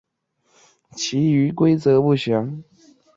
本亚科物种的阴茎包皮均有包皮腺。